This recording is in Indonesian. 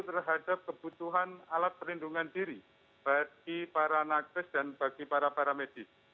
terhadap kebutuhan alat perlindungan diri bagi para nages dan bagi para paramedis